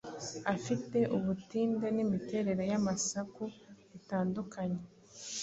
afite ubutinde n’imiterere y’amasaku bitandukanye.